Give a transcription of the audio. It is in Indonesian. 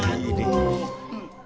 tak akan aku jadi bengkak